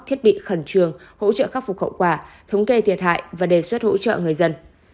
thiết bị khẩn trường hỗ trợ khắc phục khẩu quả thống kê thiệt hại và đề xuất hỗ trợ người dân